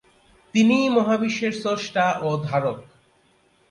তিনিই মহাবিশ্বের স্রষ্টা ও ধারক।